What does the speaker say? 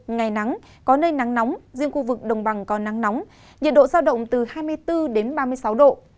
ngày nắng có nơi nắng nóng riêng khu vực đồng bằng có nắng nóng nhiệt độ giao động từ hai mươi bốn đến ba mươi sáu độ